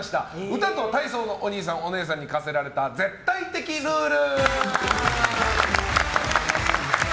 歌と体操のお兄さん・お姉さんに課せられた絶対的ルール。